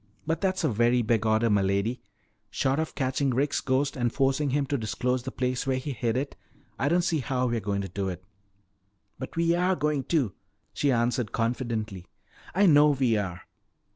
"But that's a very big order, m'lady. Short of catching Rick's ghost and forcing him to disclose the place where he hid it, I don't see how we're going to do it." "But we are going to," she answered confidently. "I know we are!"